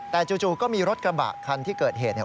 แต่จู่ก็มีรถกระบะคันที่เกิดเหตุเนี่ย